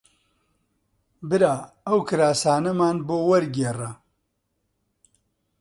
برا ئەو کراسانەمان بۆ وەرگێڕە